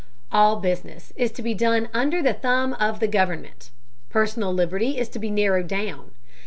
All business is to be under the thumb of the government. Personal liberty is to be narrowed down.